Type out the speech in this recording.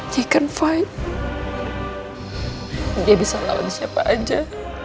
dia bisa melawan siapa aja